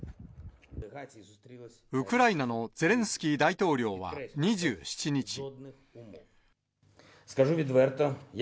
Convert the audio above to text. ウクライナのゼレンスキー大統領は２７日。